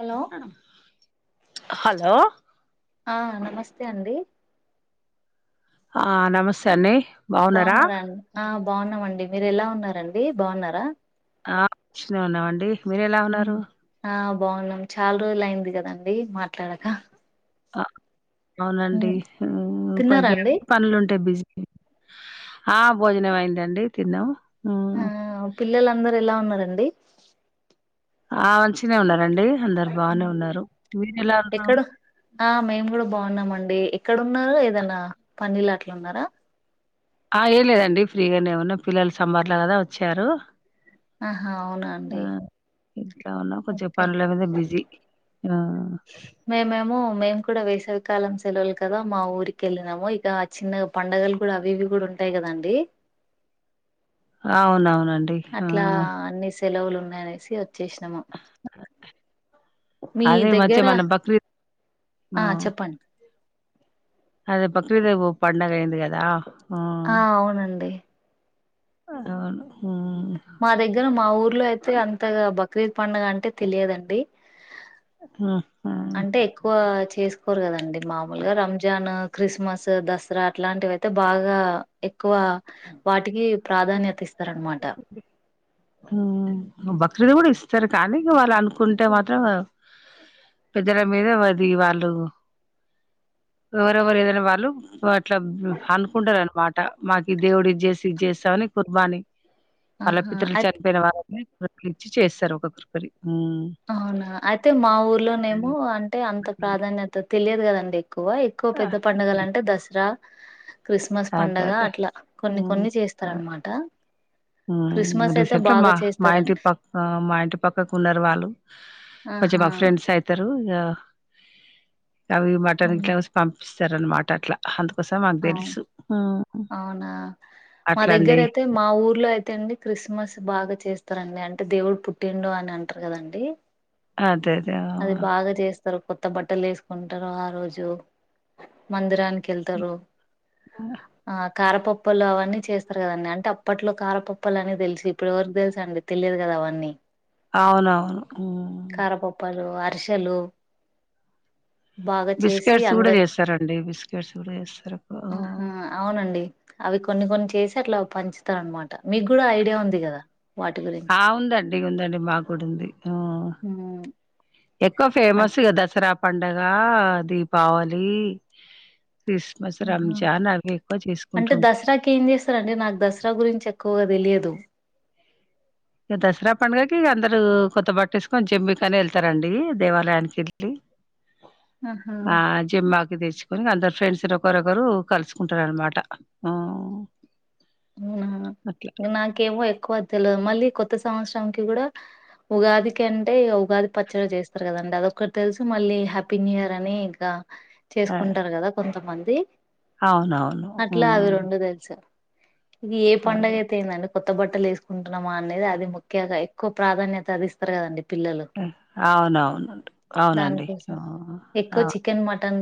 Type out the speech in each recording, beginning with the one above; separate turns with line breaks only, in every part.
Hello
ఆ hello
ఆ నమస్తే అండి
ఆ నమస్తే అండి బాగున్నారా
బాగున్నారండి ఆ బాగున్నామండి మీరు ఎలా ఉన్నారండి బాగున్నారా
ఆ మంచిగా ఉన్నాం అండి మీర ఎలా ఉన్నారు
ఉమ్. ఆ బాగున్నాం చాలా రోజులు అయింది కదండి మాట్లాడక
అవునండి
ఉమ్.
ప
తిన్నారా అండి
పనులు ఉంటాయి బిజీ ఆ భోజనమయిందండి తిన్నాము
ఆ పిల్లలందరూ ఎలా ఉన్నారండి
ఆ మంచిగానే ఉన్నారు రండి అందరు బాగానే ఉన్నారు మీరు ఉన్నారు
ఎక్కడ ఆ మేము కూడా బాగున్నామండి ఎక్కడన్నారు ఏదనా పన్నలు అట్లు ఉన్నారా
ఆ ఏ లేదండి ఫ్రీగానేమన్నా పిల్లలు సమ్మెర్ల కదా వచ్చారు
ఆహా
ఆ
అవునండి
ఇంట్లో ఉన్నా కొంచెం
ఓకే
పనుల మీద బిజీ
మేమేమో మేము కూడా వేస కాలం సెలవులు కదా మా ఊరికి వెళ్ళినాము ఇక చిన్న పంండగలు కూడా అవి ఇవి కూడా ఉంటాయి కదండి
అవునవును
అట్లా అన్ని సెలవులు మ సచ్చ చేసినామా మీ
అదే ఈ మధ్య
దగ్గర
మన బక్రీద్
ఆ చెప్పండి
అదే బక్రీద్ పండగ అయింది కదా
ఆ అవునండి
అవును
మా దగ్గర మా ఊర్లో అయితే అంతగా బక్రీద్ పండుగ అంటే తెలియదండి
ఆ
అంటే ఎక్కువ చేసు కోరు కదండి మామూలుగా రంజాన్ క్రిస్మస్ దసరా అట్లాంటివి అయితే బాగా క్కువ వాటికి ప్రాధాన్యత ఇస్తార అనమా ట్ట
బక్రీదు కూడా ఇస్తారు కానీ వాళ్ళు అనుకుంటే మాత్రం పెద్దల మీద అది వాళ్ళు ఎవరెవరు ఏదైనా వాళ్ళు ఇట్లా అనుకుంటారనమాట్ మాకు దేవుడి ఇది చేసి ఇది చేస్తా అని కుర్బానీ
ఆహా అయితే
చన్పోయిన వా ఇచ్చి చేస్తారు ఒక కృపరి
అవునా అయితే మా ఊర్లోనేమో అంటే అంత ప్రాధాన్యత తెలియదు కదండి. ఎక్కువ ఎక్కువ పెద్ద పండుగలు అంటే దసరా క్రిస్మస్
అదే
పండగ
అదే
అట్లా కొన్ని కొన్ని చేస్తారు
ఆ!
అనమాట.
హ్మ్ రీసెంట్ మా మా ఇంటి
చేస్తారండి
పక్క మా ఇంటి పక్కకు ఉన్నారు. వాళ్ళు కొంచం
ఆహా
మా ఫ్రెండ్స్ అయితరు. యా. అవి మటన్
అవును
పంపి. ఇస్తరనమాట అట్లా అందుక్
అవును అవునా మా
అట్లా
దగ్గర
అండి
అయితే మా ఊర్లో అయి తే అండి క్రిస్మస్ బాగా చేస్తారండి అంటే దేవుడు పుట్టిండు అని అంటారు కదండి.
అదే అదే
అది
హా.
బాగా చేస్తారు కొత్త బట్టలు వేసుకుంటారు ఆ రోజు మందిరానికి వెళ్తారు.
ఆహ.
కారపప్పాలు అవన్నీ చేస్తారు కదండి అంటే అప్పట్లో కారపప్పాలు అనె తెలుసు ఇప్పుడు ఎవరికి తెలుసండి తెలియదు కదా అవన్నీ.
అవును అవును హ్మ్.
హర్షలు.
బిస్కెట్స్ కూడా చేస్తారండి బిస్కెట్స్ కూడా చేస్తారు. ఆహ్,
ఆహా అవునండి అవి కొన్ని కొన్ని చేసి అట్లా పంచుతారనమాట మీకు కూడా ఐడియా ఉంది కదా. వాటి గురించి
ఆ ఉంది అండి ఉంది అండి మాకు కూడా ఉంది హు.
ఉమ్
ఎక్కువ ఫేమస్ గా దసరా. పండగా దీపావళి. క్రిస్మస్
ఆహా
రంజాన్ అవి ఎక్కువ
అంటే
చేసుకుంటుం
దసరాకి ఏం చేస్తరండి నాకు దసరా గురించి ఎక్కువగా తెలియదు
దసరా పడగా అందరు కొత్త బట్ట కొంచెం మీకానే వెళ్తారండి దేవాలయానికి వెళ్ళి
ఆహా
ఆ జ మా తెచ్చుకని అందరు ఫ్రెండ్స్ ఒకరొకరు కలుసుకుంటార అనమాట
అవునా నాకేవో ఎక్కువ తెలియదు మళ్ళీ కొత్త సంవత్సరం క కూడా ఉగాదికి అంటే ఉగాది పచ్చడి చేస్తారు కదండి అదొక్కటి తెలుసు మళ్ళీ హ్యాపీ న్యూ ఇయర్ అని ఇంకా
ఆ
చేసుకుంటారు కదా కొంతమంది ది
అవునవును
తెలుసు ఏ పండడుగ
అదే
అయితేయిందనుకు కొత్త బట్టలు వేసుకుంటున్నామా అనేది అది ముఖ్యంగా ఎక్కువ ప్రాధాన్యత అది ఇస్తారు కదండి పిల్లలు
అవునవును అవునండి
దానికోసం ఎక్కువ చికెన్ మటన్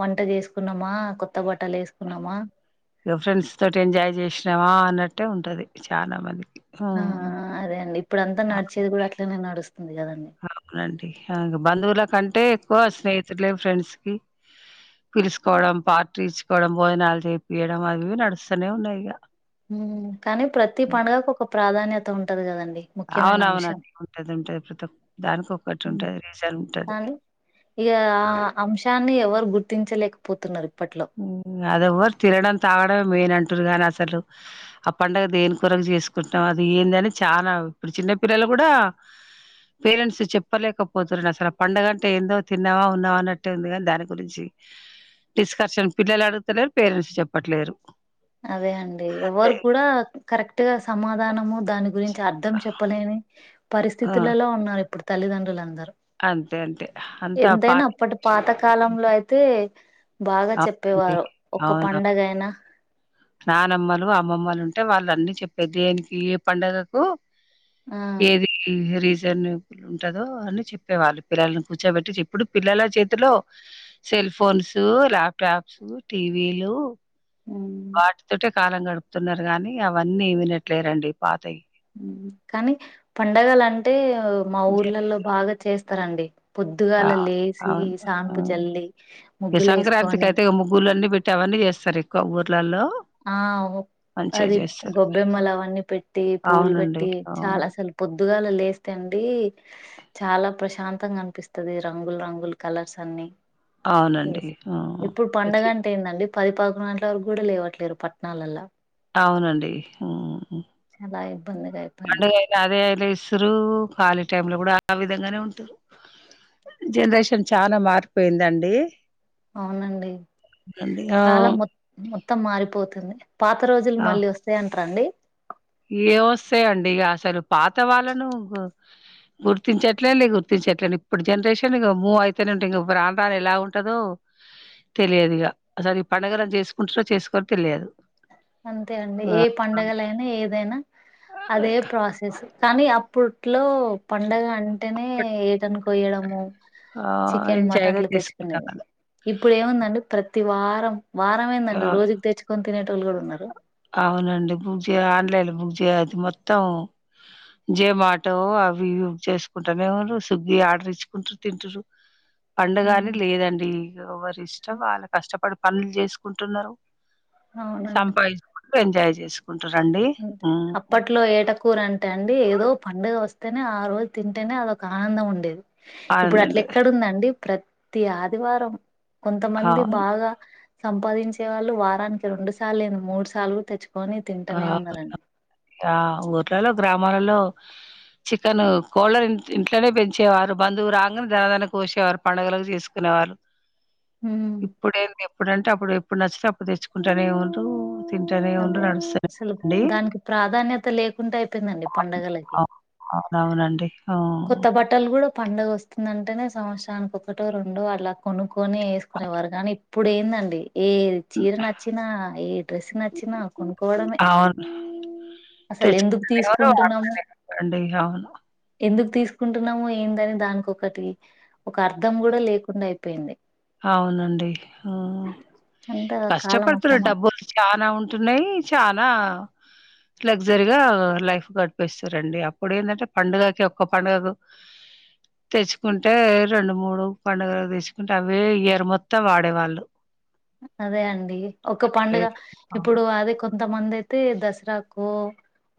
వంట చేసుకున్నామా కొత్త బట్టలు వేసుకున్నామా
ఫ్రెండ్స్ తోటి ఎంజాయ్ చేసినావా అన్నట్టే ఉంటది చాలా మంది
ఆ అదే అండి ఇప్పుడు అంతా నడిచేది కూడా అట్లనే నడు
అవునడి అ బంధవులా క అంటే ఎక్కువ స్నేహితులులే ఫ్రెండ్స్ పిలుచసుకోవడం పార్టీ ఇచ్చుకోవడం భోజనాలు చేపియడం అవివి నడుస్తూనే ఉన్నాయి ఇక
ఉ కానీ ప్రతి పండుగకు ఒక ప్రాధాన్యత అ ఉంటది కదండి ముఖ్యమైన
అవున అవునం
అంశం
ఉంటది ఉంటది ప్రతిక్క దానికి ఒటి
ఉమ్.
ఉంటది రీసన్ ఉంటది
కానీ ఇగ ఆ అంశాన్ని ఎవరు గుర్తించలేకపోతున్నారు ఇప్పట్లో
అదవ ఎవరు తిడం తాగడం గాని అసలు ఆ పండుగది ఏను కొరకు చేసుకుంటున్నా అది ఏంది అని చాలా ఇప్పుడు చిన్న పిల్లలు కూడా పేరెంట్స్ చెప్పలేకపోతురు అసలు ఆ పండగ అంటే ఏందో తిన్నావా ఉన్నావా అన్నట్టే ఉంది కాని దాని గురించి స్ దర్శన పిల్లలు అడుగుతలేరు పేరెంట్స్ చెప్పట్లేరు
అదే అండి
అంతే
ఎవరు కూడా కరెక్ట్ కర్రీటు సమాధానము దాని గురించి అర్థం చెప్పలేని
ఆ
పరిస్థితులలో ఉన్నారు ఇప్పుడు తలిదండ్రులు అందారు
అంతే అంతే అంతా పా
ఎంతైనా అప్పటి పాతకాలంలో అయితే బాగా
అవునండి.
చెప్పేవారు ఒ
అవును.
పండగ అయినా
నానమ్మలు అమ్మమ్మలు ఉంటే వాళ్ళు అన్నీ చెప్పేది దేనికి ఏ పండుగకు
ఆ
ఏది రీజ దేన్ ఉంటదో అని చెప్పేవాళ్ళు పిల్లని కూర్చోబెట్టి ఇప్పుడు పిల్లల చేతిలో సెల్ ఫోన్స్, ల్యాప్టాప్స్ టీవీలు
ఉమ్
వాట్ తోటి కాలం గడుపుతున్నారు గానీ అవన్నీ వినట్లేరండి పాతయ్
మ్మ్ కానీ పండగలంటే మా
జరి
ఊర్లలో బాగా చేస్ తరండి
అవును అవును మ్మ్
జల్లి
ఈ సంక్రాంతికి
ముగ్గులేసుకొని
అయితే ముగ్గులున్నీ పెట్టి అవన్నీ చేస్సరి కబోట్లల్లో
ఆ అది గొబ్బెమ్మలవన్నీ పెట్టి పూవులు
అవునండి.
పెట్టి
ఆ!
చాలా అసలు పొద్దుగాల్ లేస్తే అండి చాలా ప్రశాంతంగా అనిపిస్తుంది రంగుల రంగుల కలర్స్ అన్ని
అవునండి.
ఇప్పుడు
ఆ!
పండుగ అంటే ఏందండి పదిపదకొండు గంట్లకు వరకు కూడా లేవుట్లా లేరు పట్నాలల్లా
అవునండి మ్మ్
చాలాఇబ్బంది గైపోన
లేస్సరు ఖాళీ టైంలో కూడా ఆ విధంగానే ఉంటరు జనరేషన్ చానా మారిపోయిందండి.
అవునండి
అండి. ఆ!
కాలం మొ మొత్తం మారిపోతుంది పాత రోజులు మళ్ళీ వస్తాయ్ రండి
ఏ వస్సాయండి ఇగ అసలు పాత వాళ్ళను గు గుర్తించట్లేదు గుర్తించట్లే, ఇప్పుడు జనరేషన్ ఇగ మూవ్ అయతూనే ఉంటే ఇగ ఎవరాను ఎలా ఉంటదో తెలియదు, ఇగ అసలు ఈ పండగలను చేసుకుంటారో చేసుకోరో తెలియదు.
అంతే అండి
ఆ!
ఏ పండగలైనా ఏ దేనా అదే ప్రాసెస్ కానీ అప్పుట్లో పండగ అం టేనే
బట్
ఏ టను పొయ్యడము
ఆ! ఆహ్,
చికెన్ మటన్
ఎంజాయ్‌గా
అట్లా తెచ్చుకునేది
చేసుకున్నామలా.
ఇప్పుడు ఏముందండి ప్రత్ తివారం
ఆ!
వారంమేందండి రోజుకు తెచ్చుకుని తినేటొళ్ళు కూడా
అవునండి పూజ లైన్ బుక్ చేది మొత్తం జేమాటో అవి బుక్ చేసుకుంటానేంటురు, ఏమ స్విగ్గి ఆర్డర్ ఇచ్చుకుంటారు తింటురు.
ఉ
పండుగని లేదండి ఎవరి ఇష్టం వాళ్ళ కష్టపడు పనులు చేసు కుంటున్నారు.
అవునండి.
ఎంజాయ్ చేసు
అంతే అప్పట్లో ఏటకూర అంటే అండి. ఏదో పండుగ వస్త్ నే ఆ రోజు తింటేనే అదొక ఆనందం ఉండేది. ఇప్పుడు అట్లా
అవునండి.
ఎక్కడ ఉంది. ప్రతి ప్రతి ఆదివారం. కొంతమంది
అవును.
బాగా. సంపాదించే వాళ్ళు వారానికి రెండు సార్లు ఏ మూడు సార్లు తెచ్చుకొని తిం
ఆహా ఆహా ఆ ఊర్లలో గ్రామాలలో చికెన్ కోళ్ళన్నీ ఇంట్లనే పెంచేవారు. బంధువు రాంగనే దంగన్నే కోసేవారు పండుగల చేసుకునేవాళ్ళు.
ఉమ్
ఇప్పుడేంది. చెప్ ఇప్పుడంటే. అప్పుడు, ఎప్పుడు నచ్చితే అప్పుడు తెచ్చుకుంటేనే ఉంట్రూ. తింటానే ఉంటార్
అదే
నాడ్చు
అసలు దానికి ప్రాధాన్యత లేకుంటే.
అవును అవునవునండి ఆహ్.
కొత్త బట్టలు కూడా పండుగ వస్తుందంటేనే సంవత్సరానికి ఒకటో, రెండో అలా కొనుక్కొని వేసుకునేవారు. కానీ ఇప్పుడు ఏందండి. ఏ
హ్మ్.
చీర నచ్చినా, ఏ డ్రెస్ నచ్. చ్చినా కొనుక్కోవడమే.
సు స్.
అసలు ఎందుకు
తెచ్చుకునేదేవరు,
తీసుకుంటున్నాము
వాడుకునేఎవరు అండి. అవును
కుంటున్నాము ఏందని దానికోకటి ఒక అర్థం కూడా లేకుండా అయిపోయింది.
అవునండి హహ్
అంత కాలం అట్లా
కష్టపడుతురు
మ
డబ్బులు చానా ఉంట్. టున్నాయి చాలా లగ్జరీగా లైఫ్ గడిపేస్తారండి. అప్పుడు ఏంటంటే పండుగకి ఒక్క పండుగకు తెచ్చుకుంటే రెండు, మూడు పండుగ తెచ్చుకుంటే. అవే ఇయర్ మొత్తం వాడేవాళ్ళు.
అదే అండి ఒక్క పండుగ
లేదు.
ఇప్పుడు
అవును.
అది కొంతమంది. అయితే దసరాకో,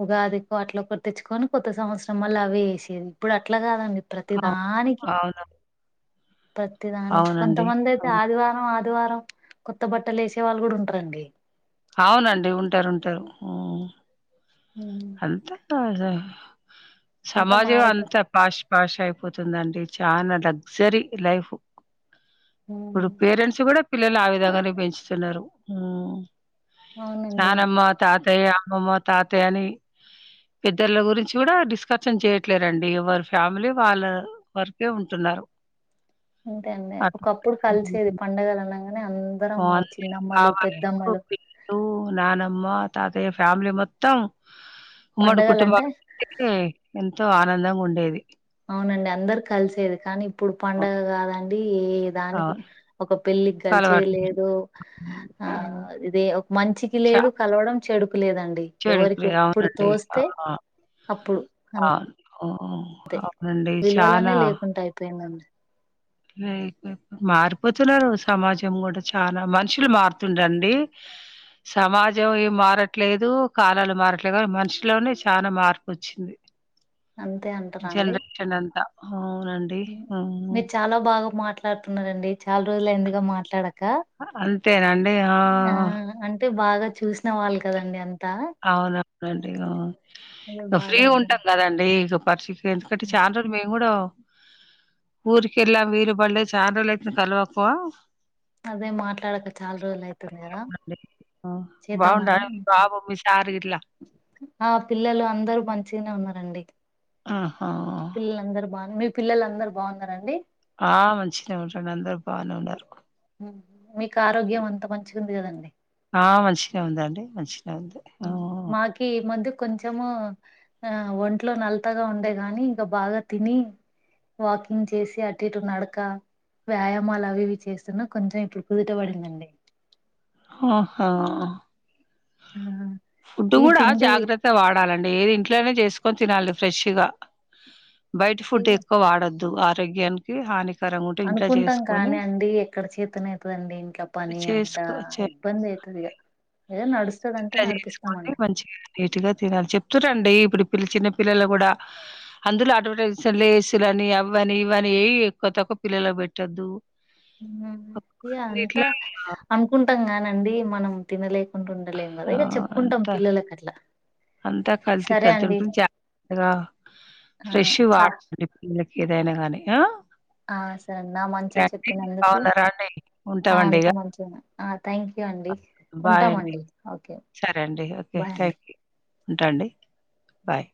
ఉగాదికో అట్లా ఒకటి తెచ్చుకొని కొత్త సంవత్సరం మళ్ళా అవి వేసేది ఇప్పుడు అట్లా కాదండి. ప్రతి
అవు
దానికి.
అవును.
ప్రతిదానికి.
అవునండి.
కొంతమంది అయితే
అవును.
ఆదివారం, ఆదివారం. కొత్త బట్టలు ఏసే వాళ్ళు కూడా ఉంటారండి.
అవునండి ఉంటారు, ఉంటారు ఊహ్.
హుహ్మ్
స స సమాజం
మారిపో
అంత పాష్ పాష్ అయిపోతుందండి చానా లగ్జరీ లైఫ్ ఇప్పుడు పేరెంట్స్ కూడా పిల్లలు ఆ విధంగానే పెంచుతున్నారు ఆమ్
అవునండి
నానమ్మ తాత అత్తయ్య అమ్మమ్మ తాతయ్య అని పెద్దర్ల గురించి కూడా డిస్కషన్ చేయట్లేరండి ఎవరి ఫ్యామిలీ వాళ్ళ వరకే ఉంటున్నారు
ఉంతే అండి ఒకప్పుడు
అట్లా.
కలిసేది పండగలు అన్నాగానే అందరము చిన్నమ్మలు పెద్దమ్మలు
ఉమ్ నానమ్మ తాతయ్య ఫ్యామిలీ మొత్తం ఉమ్మడు కుటుంబ
పండగలంటే
ఎంత ఎంతో ఆనందంగా ఉండేది
అవునండి అందరు కలిసేది కానీ ఇప్పుడు
అవును.
పండుగ కాదంటే ఏ దానికి
అవును.
ఒక పెళ్ళికి కలిచేది
కలగట్లేదు.
లేదు ఆ
హ్మ్.
ఇదే మంచికి
చ
లేదు కలవడం చెడు తప్పు లేదండి ఎవరికి
చెడుకులే
ఎప్పుడు
అవునండి. ఆ!
తోస్తే అప్పుడు అ
అవును. అవునండి చానా
లేకుండా అయిపోయిందండి
లేపో మారిపోతున్నారు సమాజం కూడా చాలా మనుషులు మారుతుండండి సమాజం ఏం మారట్లేదు కాలాలు మారట్లేదు కానీ మనుషులోనే చాలా మార్పు వచ్చింది
అంతే అంటారా అండి
జనరేషన్ అంతా అవునండి హ
ట్లాడుతున్నారండి చాలా రోజులు ఎందిగా మాట్లాడక
అంతేనండి ఆ
అ అంటే బాగా చూసిన వాళ్ళు కదండి అంత
అవును అంటే
అదే
ఇక
బాగా
ఫ్రీగా
అర్థం
ఉంటాం కదండి ఇక పర్షి ఎందుకంటే చానా రోజులు కూడాడ ఊరికి ఎలా కా వీలు పడ్ల చానారోజులు అతాంది కాల్వక
అదే మాట్లాడక చాలా రోజులు అయితుంది కదా చేద్దామని
బాగుండాల
అనుకున్నా.
బాబు ఆర్గిద్
ఆ పిల్లలు అందరూ మంచిగానే ఉన్నారు నండి
ఆహా
పిల్లలు అందరు బాగున్నా మీ పిల్లలందరు బాగున్నారండి
ఆ మంచిగనే ఉండారండి అందరు బాగానే ఉండరు
మీకు ఆరోగ్యం అంత మంచి ఉంది కదండి
ఆ మంచిగనే ఉందండి మంచి
ఉ మాకి మందు కొంచెము ఆ ఒంట్లో నలతగా ఉండే గాని ఇంక బాగా తిని వాకింగ్ చేసి అటు ఇటు నడక వ్యాయామాలు అవివి చేస్తున్నా కొంచెం ఇప్పుడు కుదుటబడిందండి
ఆహా
ఆ
ఫుడ్
ఈ
గుడా
తిండి
జాగ్రత్త వాడాలండి ఏది ఇంట్లోనే చేసు కొని తినాలి ఫ్రెష్గా బయట ఫుడ్ ఎక్కువ వాడొద్దు ద్దు ఆరోగ్యానికి హాని
అనుకుంటాం కానీ అండి ఎక్కడి చేతన అయితదండి ఇంట్ల పని అంత
చేసుకో
ఇబ్బంది అయి తదిగ ఏ నడుస్
ఇంట్ల చేయించుకోండి మంచిగా నీట్ గా తినాలి చెప్తూ రండి ఇప్పుడు పిల్ చిన్న పిల్లల కూడా అందులో అడ్వాడై జన్ లేస్లు అని అవని ఇవని ఏయి ఎక్కువ తక్కువ పిల్లలకు పెట్టొద్దు
ఉ ఇ అంతా
ఇట్లా
అనుకుంటాం గానీ అండి మనం తినలే
ఆ అంతా
అట్లా
అంతా కల్తీ
సరే
కల్తీ
అండి
ఉంటుంది జగా
ఆ
ఫ్రెష్
చ
వాడండి పిల్లకి ఏదైనా గాని ఆ
ఆ సరే నా మంచిది
ఓకే అండి
చెప్పినందుకు
బాగున్నారా అండి
ఆ
ఉంటామండి
అంత
ఇగ
మంచి అ థ్యాంక్ యూ అండి
బాయ్ అండి
ఉంటామండి ఓకే బాయ్ అండి
ఉంటాండి బాయ్